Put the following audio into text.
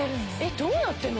どうなってんの？